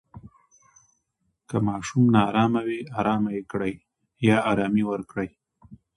که ماشوم نا آرامه وي، آرامۍ ورکړئ.